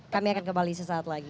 kami akan kembali sesaat lagi